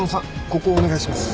ここお願いします。